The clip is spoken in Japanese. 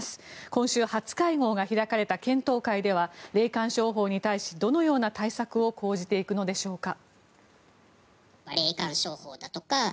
今週、初会合が開かれた検討会では霊感商法に対しどのような対策を講じていくのでしょうか。